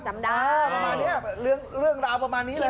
จำได้ใช่ใช่ประมาณนี้เรื่องราวประมาณนี้เลย